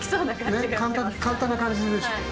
簡単な感じするでしょ。